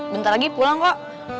bentar lagi pulang kok